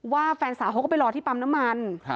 ว่าแฟนสาวก็ไปรอที่ปั๊มน้ำมัน